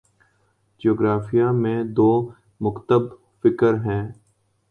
جغرافیہ میں دو مکتب فکر ہیں